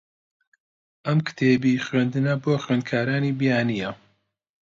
ئەم کتێبی خوێندنە بۆ خوێندکارانی بیانییە.